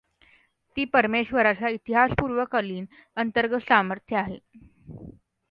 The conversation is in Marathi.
ती परमेश्वराच्या इतिहासपूर्वकलीन अंतर्गत सामर्थ्य आहे.